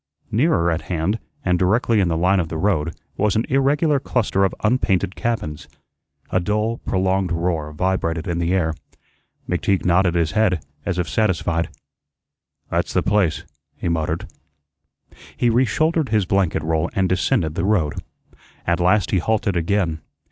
Nearer at hand, and directly in the line of the road, was an irregular cluster of unpainted cabins. A dull, prolonged roar vibrated in the air. McTeague nodded his head as if satisfied. "That's the place," he muttered. He reshouldered his blanket roll and descended the road. At last he halted again.